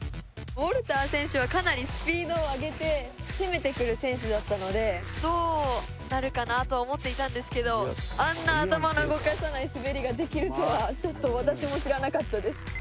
ウォルター選手はかなりスピードを上げて攻めてくる選手だったのでどうなるかなと思っていたんですけどあんな頭の動かさない滑りができるとはちょっと私も知らなかったです